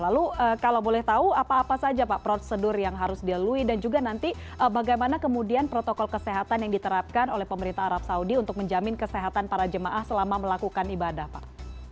lalu kalau boleh tahu apa apa saja pak prosedur yang harus dilalui dan juga nanti bagaimana kemudian protokol kesehatan yang diterapkan oleh pemerintah arab saudi untuk menjamin kesehatan para jemaah selama melakukan ibadah pak